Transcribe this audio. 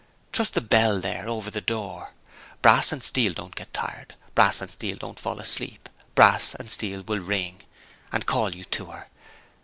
Trust the bell here, over the door. Brass and steel don't get tired; brass and steel don't fall asleep; brass and steel will ring, and call you to her.